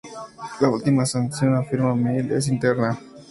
La última sanción, afirma Mill, es interna.